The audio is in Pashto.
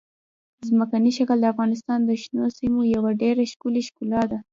ځمکنی شکل د افغانستان د شنو سیمو یوه ډېره ښکلې ښکلا ده.